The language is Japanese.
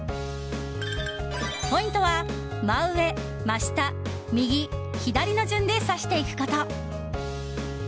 ポイントは真上、真下右、左の順で挿していくこと。